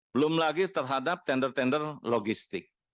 belum lagi terhadap tender tender logistik